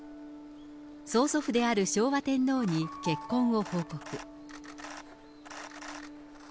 曽祖父である昭和天皇に結婚を報告。